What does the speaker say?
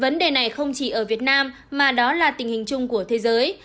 vấn đề này không chỉ ở việt nam mà đó là tình hình chung của thế giới